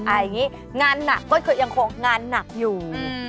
อย่างนี้งานหนักก็คือยังคงงานหนักอยู่